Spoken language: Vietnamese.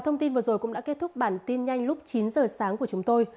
thông tin vừa rồi cũng đã kết thúc bản tin nhanh lúc chín giờ sáng của chúng tôi